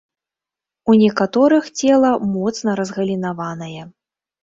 У некаторых цела моцна разгалінаванае.